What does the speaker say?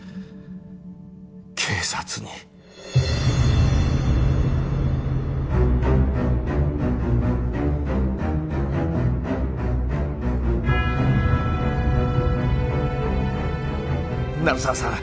警察に鳴沢さん